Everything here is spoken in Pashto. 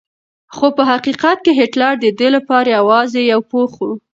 خو په حقیقت کې هېټلر د ده لپاره یوازې یو پوښ و.